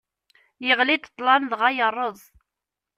Yeɣli-d ṭṭlam dɣa yerreẓ.